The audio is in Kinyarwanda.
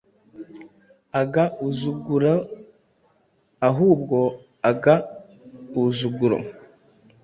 Agauzuguro ahubwo, agauzuguro,